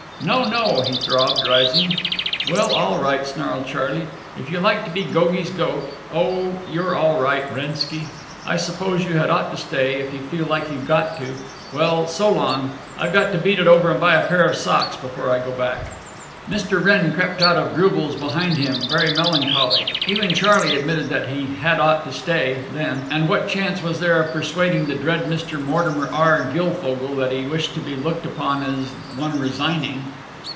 "No, no!" he throbbed, rising. "Well, all right!" snarled Charley, "if you like to be Gogie's goat…. Oh, you're all right, Wrennski. I suppose you had ought to stay, if you feel you got to…. Well, so long. I've got to beat it over and buy a pair of socks before I go back." Mr. Wrenn crept out of Drubel's behind him, very melancholy. Even Charley admitted that he "had ought to stay," then; and what chance was there of persuading the dread Mr. Mortimer R. Guilfogle that he wished to be looked upon as one resigning?